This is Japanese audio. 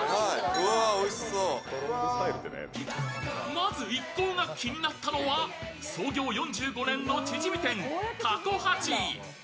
まず一行が気になったのは創業４５年のチヂミ店、たこはち。